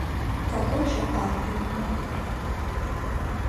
Какой же ад бывает